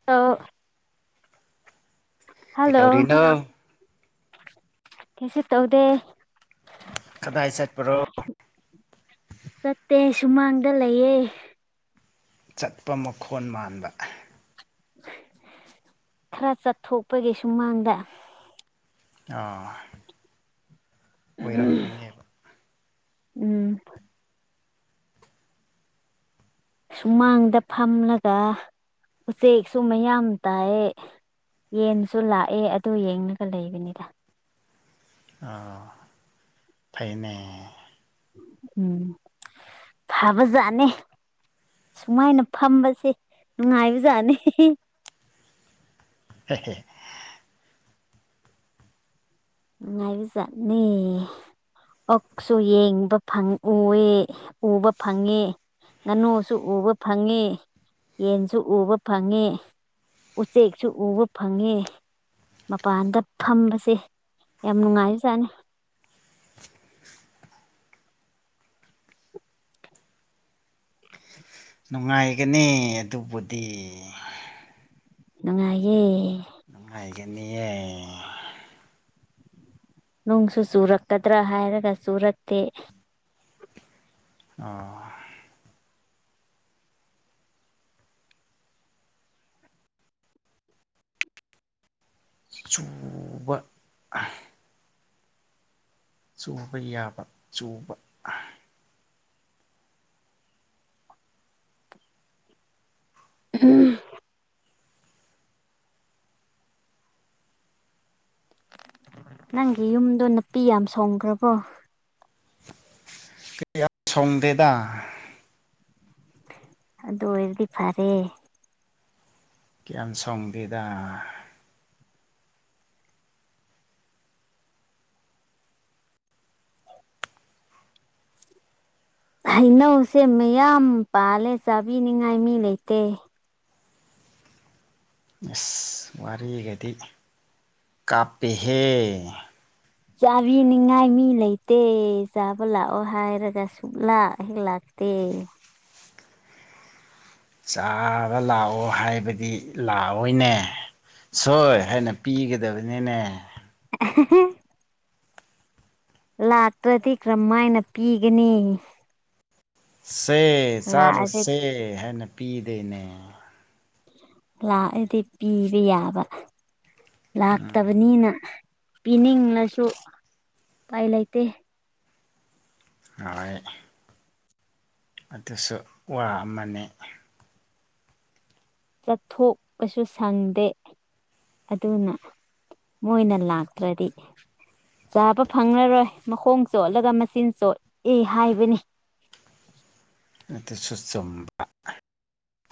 [unintelligible] Hello ꯀꯩꯗꯧꯔꯤꯅꯣ ꯀꯩꯁꯨ ꯇꯧꯗꯦ ꯀꯗꯥꯏ ꯆꯠꯄꯔꯣ ꯆꯠꯇꯦ ꯁꯨꯃꯥꯡꯗ ꯂꯩꯌꯦ ꯆꯠꯄ ꯃꯈꯣꯟ ꯃꯥꯟꯕ ꯈꯔ ꯆꯠꯊꯣꯛꯄꯒꯤ ꯁꯨꯃꯥꯡꯗ ꯑꯥ ꯑꯣꯏꯔꯝꯒꯅꯦꯕ ꯎꯝ ꯁꯨꯃꯥꯡꯗ ꯐꯝꯂꯒ ꯎꯆꯦꯛꯁꯨ ꯃꯌꯥꯝ ꯇꯥꯏ ꯌꯦꯟꯁꯨ ꯂꯥꯛꯑꯦ ꯑꯗꯨ ꯌꯦꯡꯂꯒ ꯂꯩꯕꯅꯤꯗ ꯑꯣ ꯐꯩꯅꯦ ꯎꯝ ꯐꯕꯖꯥꯠꯅꯤ ꯁꯨꯃꯥꯏꯅ ꯐꯝꯕꯁꯦ ꯅꯨꯡꯉꯥꯏꯕꯖꯥꯠꯅꯤ ꯍꯤꯍꯤ ꯍꯦ ꯍꯦ ꯅꯨꯡꯉꯥꯏꯕꯖꯥꯠꯅꯦ ꯑꯣꯛꯁꯨ ꯌꯦꯡꯕ ꯐꯪ ꯎꯌꯦ ꯎꯕ ꯐꯪꯉꯦ ꯉꯥꯅꯨꯁꯨ ꯎꯕ ꯐꯪꯉꯤ ꯌꯦꯟꯁꯨ ꯎꯕ ꯐꯪꯉꯤ ꯎꯆꯦꯛꯁꯨ ꯎꯕ ꯐꯪꯉꯦ ꯃꯄꯥꯟꯗ ꯐꯝꯕꯁꯦ ꯌꯥꯝ ꯅꯨꯡꯉꯥꯏꯔꯆꯥꯠꯅꯤ ꯅꯨꯡꯉꯥꯏꯒꯅꯤ ꯑꯗꯨꯕꯨꯗꯤ ꯅꯨꯡꯉꯥꯏꯌꯦ ꯅꯨꯡꯉꯥꯏꯒꯅꯤꯌꯦ ꯅꯣꯡꯁꯨ ꯆꯨꯔꯛꯀꯗ꯭ꯔ ꯍꯥꯏꯔꯒ ꯆꯨꯔꯛꯇꯦ ꯑꯣ ꯆꯨꯕ ꯆꯨꯕ ꯌꯥꯕ ꯆꯨꯕ ꯑꯝ ꯅꯪꯒꯤ ꯌꯨꯝꯗꯣ ꯅꯨꯄꯤ ꯌꯥꯝ ꯁꯣꯡꯈ꯭ꯔꯕꯣ ꯀꯌꯥꯝ ꯁꯣꯡꯗꯦꯗ ꯑꯗꯨ ꯑꯣꯏꯔꯗꯤ ꯐꯔꯦ ꯀꯌꯥꯝ ꯁꯣꯡꯗꯦꯗ ꯍꯩꯅꯧꯁꯦ ꯃꯌꯥꯝ ꯄꯥꯜꯂꯦ ꯆꯥꯕꯤꯅꯤꯉꯥꯏ ꯃꯤ ꯂꯩꯇꯦ ꯑꯦꯁ ꯋꯥꯔꯤꯒꯗꯤ ꯀꯥꯞꯄꯤꯍꯦ ꯆꯥꯕꯤꯅꯤꯡꯉꯥꯏ ꯃꯤ ꯂꯩꯇꯦ ꯆꯥꯕ ꯂꯥꯛꯑꯣ ꯍꯥꯏꯔꯒ ꯁꯨꯛꯂꯥ ꯍꯦꯛ ꯂꯥꯛꯇꯦ ꯆꯥꯕ ꯂꯥꯛꯑꯣ ꯍꯥꯏꯕꯗꯤ ꯂꯥꯛꯑꯣꯏꯅꯦ ꯁꯣꯏ ꯍꯥꯏꯅ ꯄꯤꯒꯗꯕꯅꯤꯅꯦ [unintelligible] ꯂꯥꯛꯇ꯭ꯔꯗꯤ ꯀꯔꯝꯍꯥꯏꯅ ꯄꯤꯒꯅꯤ ꯁꯦ ꯂꯥꯛꯑꯗꯤ ꯆꯥꯔꯣꯁꯦ ꯍꯥꯏꯅ ꯄꯤꯗꯦꯅꯦ ꯂꯥꯛꯑꯗꯤ ꯄꯤꯕ ꯌꯥꯕ ꯎꯝ ꯂꯥꯛꯇꯕꯅꯤꯅ ꯄꯤꯅꯤꯡꯂꯁꯨ ꯎꯄꯥꯏ ꯂꯩꯇꯦ [unintelligible] ꯑꯗꯨꯁꯨ ꯋꯥ ꯑꯃꯅꯤ ꯆꯠꯊꯣꯛꯄꯁꯨ ꯁꯪꯗꯦ ꯑꯗꯨꯅ ꯃꯣꯏꯅ ꯂꯥꯛꯇ꯭ꯔꯗꯤ ꯆꯥꯕ ꯐꯪꯂꯔꯣꯏ ꯃꯈꯣꯡ ꯆꯣꯠꯂꯒ ꯃꯆꯤꯟ ꯆꯣꯠꯏ ꯍꯥꯏꯕꯅꯤ ꯅꯠꯇ ꯁꯨꯁꯨꯝꯕ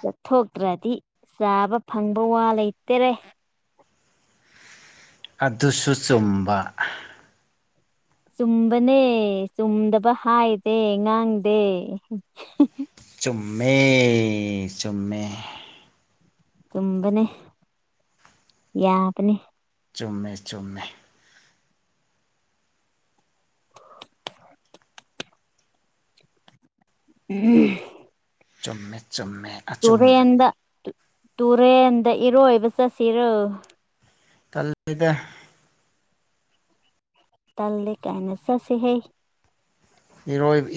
ꯆꯠꯊꯣꯛꯇ꯭ꯔꯗꯤ ꯆꯥꯕ ꯐꯪꯕ ꯋꯥ ꯂꯩꯇꯔꯦ ꯑꯗꯨꯁꯨ ꯆꯨꯝꯕ ꯆꯨꯝꯕꯅꯦ ꯆꯨꯝꯗꯕ ꯍꯥꯏꯗꯦ ꯉꯥꯡꯗꯦ ꯆꯨꯝꯃꯦ ꯆꯨꯝꯃꯦ ꯇꯨꯝꯕꯅꯦ ꯌꯥꯕꯅꯦ ꯆꯨꯝꯃꯦ ꯆꯨꯝꯃꯦ ꯎꯝ ꯆꯨꯝꯃꯦ ꯆꯨꯝꯃꯦ ꯑꯆꯨꯝꯕꯅꯤ ꯇꯨꯔꯦꯟꯗ ꯇꯨꯔꯦꯟꯗ ꯏꯔꯣꯏꯕ ꯆꯠꯁꯤꯔꯣ ꯇꯂꯜꯗ ꯇꯜꯜꯂꯤ ꯀꯥꯏꯅ ꯆꯠꯁꯤꯦꯍꯩ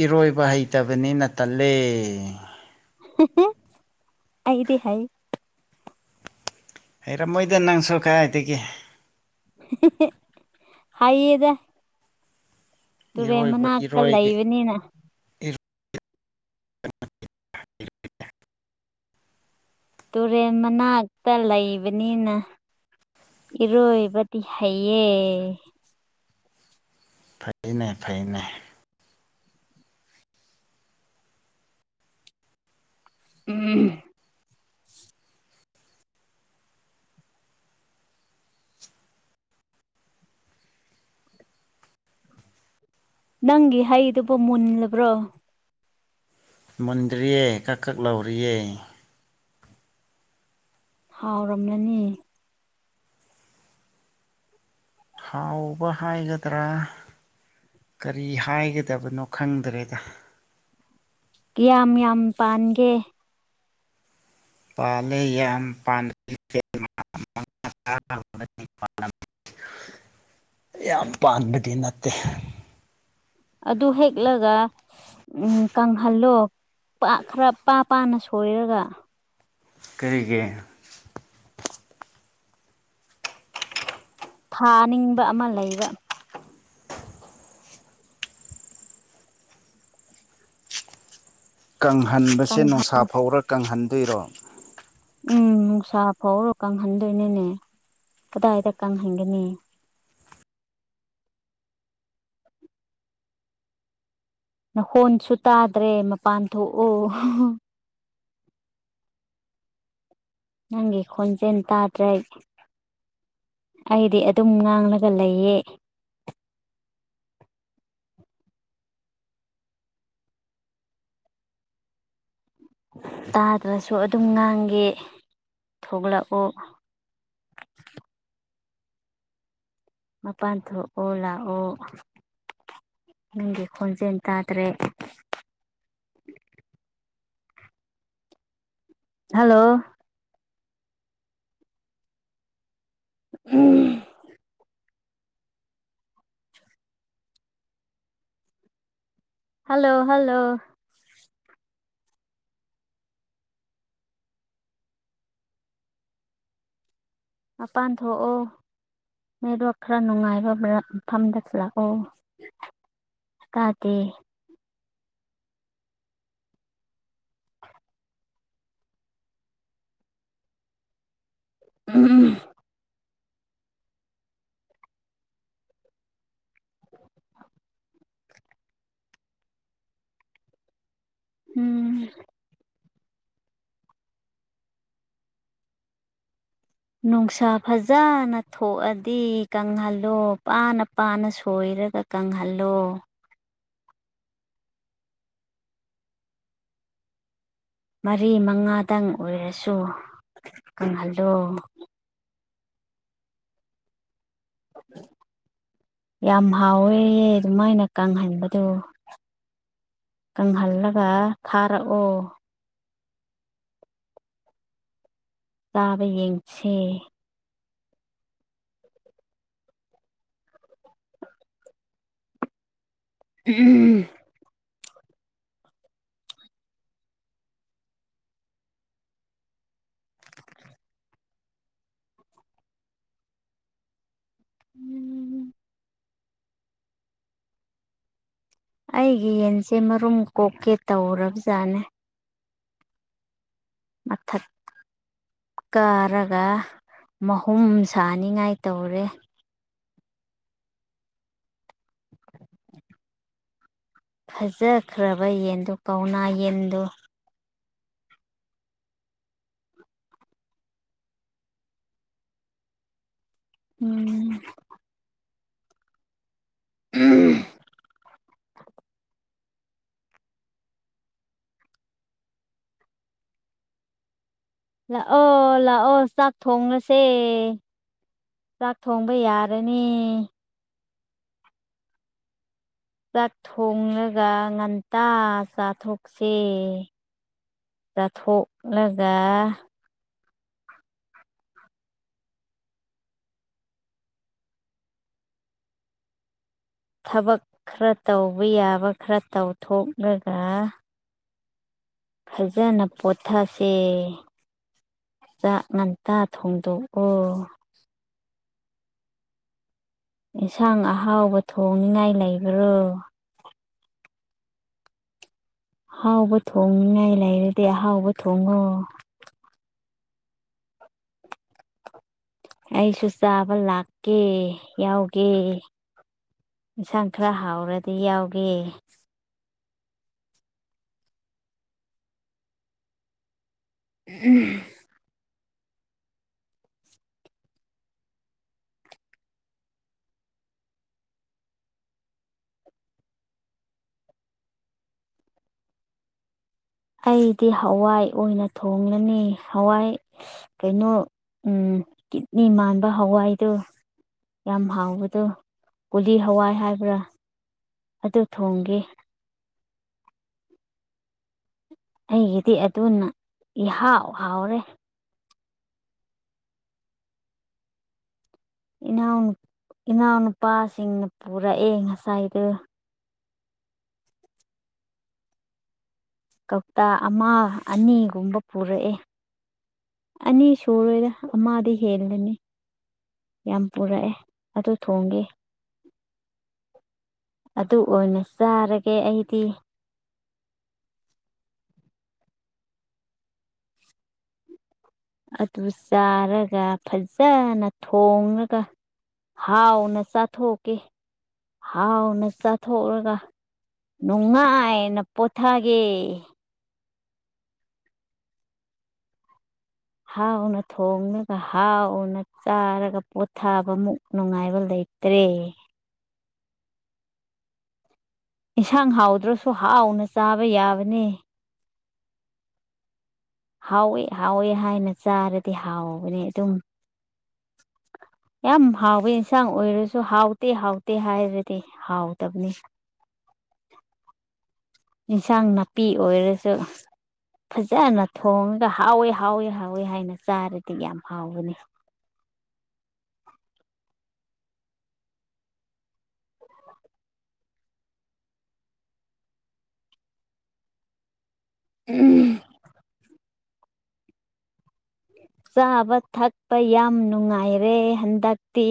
ꯏꯔꯣꯏꯕ ꯍꯩꯇꯕꯅꯤꯅ ꯇꯜꯂꯦ ꯑꯩꯗꯤ ꯍꯩ꯫ ꯍꯩꯔꯝꯃꯣꯏꯗ ꯅꯪꯁꯨ ꯀꯗꯥꯥꯏꯗꯒꯤ꯫ ꯍꯥꯏꯌꯦꯗ ꯇꯨꯔꯦꯟ ꯏꯔꯣꯏꯕ ꯃꯅꯥꯛꯇ ꯏꯔꯣꯏꯒꯦ ꯂꯩꯕꯅꯤꯅ [inaudible] ꯇꯨꯔꯦꯟ ꯃꯅꯥꯛꯇ ꯂꯩꯕꯅꯤꯅ ꯏꯔꯣꯏꯕꯗꯤ ꯍꯩꯌꯦ꯫ ꯐꯩꯅꯦ ꯐꯩꯅꯦ ꯎꯝ ꯅꯪꯒꯤ ꯍꯩꯗꯨꯕꯨ ꯃꯨꯜꯂꯕ꯭ꯔꯣ? ꯃꯨꯟꯗ꯭ꯔꯤꯌꯦ ꯀꯛ ꯀꯛ ꯂꯥꯎꯔꯤꯌꯦ꯫ ꯍꯥꯎꯔꯝꯂꯅꯤ꯫ ꯊꯥꯎꯕ ꯍꯥꯏꯒꯗ꯭ꯔꯥ? ꯀꯔꯤ ꯍꯥꯏꯒꯗꯕꯅꯣ ꯈꯪꯗ꯭ꯔꯦꯗ ꯀꯌꯥꯝ ꯌꯥꯝ ꯄꯥꯟꯒꯦ꯫ ꯄꯂꯦ ꯌꯥꯝ ꯄ [unintelligible] ꯌꯥꯝ ꯄꯥꯟꯕꯗꯤ ꯅꯠꯇꯦ꯫ ꯑꯗꯨ ꯍꯦꯛꯂꯒ ꯎꯝ ꯀꯪꯍꯜꯂꯣ ꯄꯥꯛ ꯈꯔ ꯄꯥ ꯄꯥꯅ ꯁꯣꯏꯔꯒ ꯀꯔꯤꯒꯤ ꯊꯥꯅꯤꯡꯕ ꯑꯃ ꯂꯩꯕ ꯀꯪꯍꯟꯕꯁꯦ ꯀꯪꯍꯟ ꯅꯨꯡꯁꯥ ꯐꯧꯔ ꯀꯪꯍꯟꯗꯣꯏꯔꯣ? ꯎꯝ ꯅꯨꯡꯁꯥ ꯐꯥꯎꯔꯣ ꯀꯪꯍꯟꯗꯣꯏꯅꯣꯅꯦ ꯀꯗꯥꯏꯗ ꯀꯪꯍꯟꯒꯅꯤ꯫ ꯅ ꯍꯣꯟꯁꯨ ꯇꯥꯗ꯭ꯔꯦ ꯃꯄꯥꯟ ꯊꯣꯛꯑꯣ ꯅꯪꯒꯤ ꯈꯣꯟꯖꯦꯜ ꯇꯥꯗ꯭ꯔꯩ ꯑꯩꯗꯤ ꯑꯗꯨꯝ ꯉꯥꯡꯂꯒ ꯂꯩꯌꯦ꯫ ꯇꯥꯗ꯭ꯔꯁꯨ ꯑꯗꯨꯝ ꯉꯥꯡꯒꯦ ꯊꯣꯛꯂꯛꯎ꯫ ꯃꯄꯥꯟ ꯊꯣꯛꯑꯣ ꯂꯥꯛꯑꯣ ꯅꯪꯒꯤ ꯈꯣꯟꯖꯦꯜ ꯇꯥꯗ꯭ꯔꯦ꯫ ꯍꯜꯂꯣ ꯎꯝ ꯍꯜꯂꯣ ꯍꯜꯂꯣ ꯃꯄꯥꯟ ꯊꯣꯛꯑꯣ ꯃꯗꯣ ꯈꯔ ꯅꯨꯡꯉꯥꯏꯕ ꯃꯐꯝꯗꯁꯤꯂꯛꯑꯣ ꯇꯥꯗꯤ꯫ ꯎꯝ ꯎ [inaudible] ꯎꯝ ꯅꯨꯡꯁꯥ ꯐꯖꯅ ꯊꯣꯛꯑꯗꯤ ꯀꯪꯍꯜꯂꯣ ꯄꯥꯅ ꯄꯥꯅ ꯁꯣꯏꯔꯒ ꯀꯪꯍꯜꯂꯣ ꯃꯔꯤ ꯃꯉꯥꯗꯪ ꯑꯣꯏꯔꯁꯨ ꯀꯪꯍꯜꯂꯣ ꯌꯥꯝ ꯍꯥꯎꯋꯦꯍ ꯑꯗꯨꯃꯥꯏꯅ ꯀꯪꯍꯟꯕꯗꯣ ꯀꯪꯍꯜꯂꯒ ꯊꯥꯔꯛꯑꯣ ꯆꯥꯕ ꯌꯦꯡꯁꯤ꯫ ꯎꯝ ꯎꯝ ꯑꯩꯒꯤ ꯌꯦꯟꯁꯦ ꯃꯔꯨꯝ ꯀꯣꯛꯀꯦ ꯇꯧꯔꯕꯖꯥꯠꯅꯦ ꯃꯊꯛ ꯀꯥꯔꯒ ꯃꯍꯨꯝ ꯁꯥꯅꯤꯡꯉꯥꯏ ꯇꯧꯔꯦ ꯐꯖꯈ꯭ꯔꯕ ꯌꯦꯟꯗꯨ ꯀꯧꯅꯥ ꯌꯦꯟꯗꯨ ꯎꯝ ꯎꯝ [unintelligible] ꯂꯥꯛꯑꯣ ꯂꯥꯛꯑꯣ ꯆꯥꯛ ꯊꯣꯡꯂꯁꯦ ꯆꯥꯛ ꯊꯣꯡꯕ ꯌꯥꯔꯅꯤ ꯆꯥꯛ ꯊꯣꯡꯂꯒ ꯉꯟꯇꯥ ꯆꯥꯊꯣꯛꯁꯦ ꯆꯥꯊꯣꯛꯂꯒꯥ ꯊꯕꯛ ꯈꯔ ꯇꯧꯕ ꯌꯥꯕ ꯈꯔ ꯇꯧꯊꯣꯛꯂꯒ ꯐꯖꯅ ꯄꯣꯊꯥꯁꯦ ꯆꯥꯛ ꯉꯟꯇꯥ ꯊꯣꯡꯗꯣꯛꯑꯣ ꯌꯦꯟꯁꯥꯡ ꯑꯍꯥꯎꯕ ꯊꯣꯡꯅꯤꯉꯥꯏ ꯂꯩꯕ꯭ꯔꯣ ꯑꯍꯥꯎꯕ ꯊꯣꯡꯉꯥꯏ ꯂꯩꯔꯗꯤ ꯑꯍꯥꯎꯕ ꯊꯣꯡꯉꯣ ꯑꯩꯁꯨ ꯆꯥꯕ ꯂꯥꯛꯀꯦ ꯌꯥꯎꯒꯦ ꯌꯦꯟꯁꯥꯡ ꯈꯔ ꯍꯥꯎꯔꯗꯤ ꯌꯥꯎꯒꯦ ꯎꯝ ꯑꯩꯗꯤ ꯍꯋꯥꯏ ꯑꯣꯏꯅ ꯊꯣꯡꯂꯅꯤ ꯍꯋꯥꯏ ꯀꯩꯅꯣ ꯎꯝ ꯀꯤꯠꯅꯤ ꯃꯥꯟꯕ ꯍꯋꯥꯏꯗꫭ ꯌꯥꯝ ꯍꯥꯎꯕꯗꯣ ꯀꯨꯂꯤ ꯍꯋꯥꯏ ꯍꯥꯏꯕ꯭ꯔꯥ ꯑꯗꯨ ꯊꯣꯡꯒꯦ ꯑꯩꯒꯤꯗꯤ ꯑꯗꯨꯅ ꯏꯍꯥꯎ ꯍꯥꯎꯔꯦ ꯏꯅꯥꯎ ꯏꯅꯥꯎꯅꯨꯄꯥꯁꯤꯡꯅ ꯄꯨꯔꯛꯑꯦ ꯉꯁꯥꯏꯗꫭ ꯀꯧꯇꯥ ꯑꯃ ꯑꯅꯤꯒꯨꯝꯕ ꯄꯨꯔꯛꯑꯦ ꯑꯅꯤ ꯁꯨꯔꯣꯏꯗ ꯑꯃꯗ ꯍꯦꯜꯂꯅꯤ ꯌꯥꯝ ꯄꯨꯔꯛꯑꯦ ꯑꯗꯨ ꯊꯣꯡꯒꯦ ꯑꯗꯨ ꯑꯣꯏꯅ ꯆꯥꯔꯒꯦ ꯑꯩꯗꯤ ꯑꯗꯨ ꯆꯥꯔꯒ ꯐꯖꯅ ꯊꯣꯉꯒ ꯍꯥꯎ ꯅ ꯆꯥꯊꯣꯛꯀꯦ ꯍꯥꯎꯅ ꯆꯥꯊꯣꯛꯑꯒ ꯅꯨꯡꯉꯥꯏꯅ ꯄꯣꯊꯒꯦ ꯍꯥꯎꯅ ꯊꯣꯡꯂꯒ ꯍꯥꯎꯅ ꯆꯥꯔꯒ ꯄꯣꯊꯥꯕꯃꯨꯛ ꯅꯨꯡꯉꯥꯏꯕ ꯂꯩ ꯇꯔꯦ ꯏꯟꯁꯥꯡ ꯍꯥꯎꯗ꯭ꯔꯁꯨ ꯍꯥꯎꯅ ꯆꯥꯕ ꯌꯥꯕꯅꯦ ꯍꯥꯎꯋꯦ ꯍꯥꯎꯋꯦ ꯍꯥꯏꯅ ꯆꯥꯔꯗꯤ ꯍꯥꯎꯕꯅꯦ ꯑꯗꯨꯝ ꯌꯥꯝ ꯍꯥꯎꯕ ꯏꯟꯁꯥꯡ ꯑꯣꯏꯔꯁꯨ ꯍꯥꯎꯇꯦ ꯍꯥꯎꯇꯦ ꯍꯥꯏꯔꯗꯤ ꯍꯥꯎꯗꯕꯅꯤ ꯏꯟꯁꯥꯡ ꯅꯥꯄꯤ ꯑꯣꯏꯔꯁꯨ ꯐꯖꯅ ꯊꯣꯡꯉꯒ ꯍꯥꯎꯋꯦ ꯍꯥꯎꯋꯦ ꯍꯥꯎꯋꯦ ꯍꯥꯏꯅ ꯆꯥꯔꯗꯤ ꯌꯥꯝ ꯍꯥꯎꯕꯅꯤ ꯎꯝ [unintelligible] ꯆꯥꯕ ꯊꯛꯄ ꯌꯥꯝ ꯅꯨꯡꯉꯥꯏꯔꯦ ꯍꯟꯗꯛꯇꯤ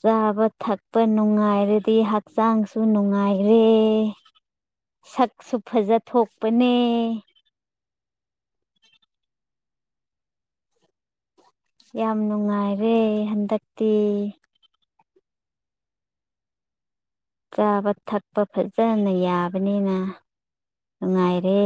ꯆꯥꯕ ꯊꯛꯄ ꯅꯨꯡꯉꯥꯏꯔꯗꯤ ꯍꯛꯆꯥꯡꯁꯨ ꯅꯨꯡꯉꯥꯏꯔꯦ ꯁꯛꯁꯨ ꯐꯖꯊꯥꯛꯄꯅꯦ ꯌꯥꯝ ꯅꯨꯡꯉꯥꯏꯔꯦ ꯍꯟꯗꯛꯇꯤ ꯆꯥꯕ ꯊꯛꯄ ꯐꯖꯅ ꯌꯥꯕꯅꯤꯅ ꯅꯨꯡꯉꯥꯏꯔꯦ